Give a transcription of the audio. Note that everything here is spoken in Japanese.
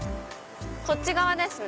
こっち側ですね。